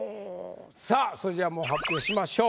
さぁそれじゃあもう発表しましょう。